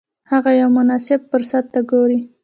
هغه یو مناسب فرصت ته ګوري.